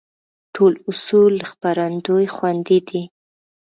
ټول اصول له خپرندوى خوندي دي.